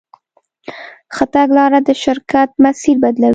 ښه تګلاره د شرکت مسیر بدلوي.